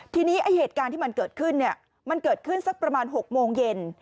ทีนี้ไอ้เหตุการณ์ที่มันเกิดขึ้นเนี่ยมันเกิดขึ้นสักประมาณ๖โมงเย็น